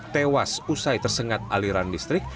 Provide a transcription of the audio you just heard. tewas usai tersengat aliran listrik